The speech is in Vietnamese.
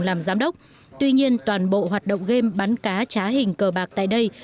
làm giám đốc tuy nhiên toàn bộ hoạt động game bắn cá trá hình cờ bạc tại đây